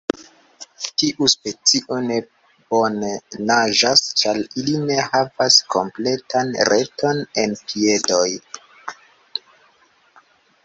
Tiu specio ne bone naĝas ĉar ili ne havas kompletan reton en piedoj.